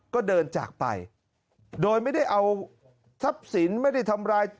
ก็เดินจากไปโดยไม่ได้เอาทรัพย์สินไม่ได้ทำร้าย